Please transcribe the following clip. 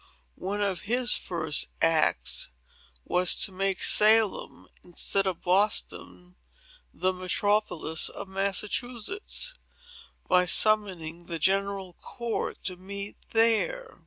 One of his first acts, was to make Salem, instead of Boston, the metropolis of Massachusetts, by summoning the General Court to meet there.